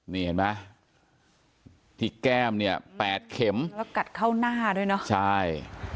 นี่เห็นไหมที่แก้มเนี่ยแปดเข็มแล้วกัดเข้าหน้าด้วยเนอะใช่